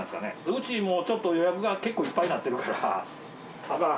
うちもちょっと予約が結構いっぱいになってるから。